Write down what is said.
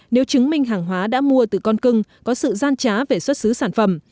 nếu chứng minh hàng hóa đã mua từ con cưng có sự gian trá về xuất xứ sản phẩm